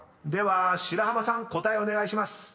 ［白濱さん答えお願いします］